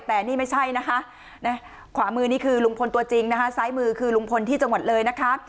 แต่นี่ไม่ใช่นะคะขวามือนี่คือลุงพลตัวจริงนะคะซ้ายมือคือลุงพลที่จังหวัดเลยนะคะ